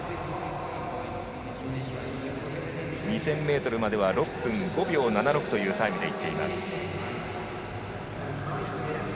２０００ｍまでは６分５秒７６というタイムでいっています。